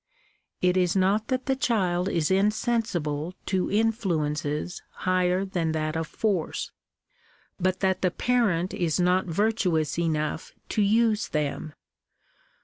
It is not that the child is insensible to influences higher than that of force, but that the parent is not virtuous enough to use them.